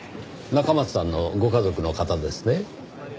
中松さんのご家族の方ですね？